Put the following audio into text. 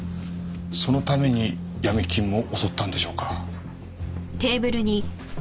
そのために闇金も襲ったんでしょうか。